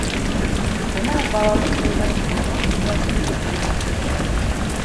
Бына балалыҡ йылдары шаулап-гөрләп үтеп тә китте.